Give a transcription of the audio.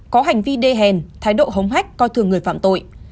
có hành vi đê hèn thái độ hống hách coi thường người phạm tội